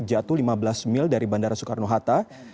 jatuh lima belas mil dari bandara soekarno hatta